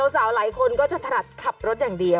หลายคนก็จะถนัดขับรถอย่างเดียว